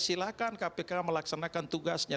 silakan kpk melaksanakan tugasnya